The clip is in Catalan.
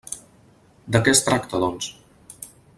De què es tracta, doncs?